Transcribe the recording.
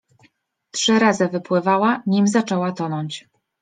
Trzy razy wypływała, nim zaczęła tonąć.